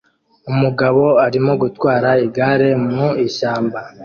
Umugabo arimo gutwara igare mu ishyamba